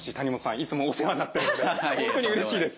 いつもお世話になっているので本当にうれしいです。